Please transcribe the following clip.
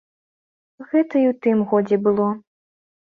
Гэта і ў тым годзе было.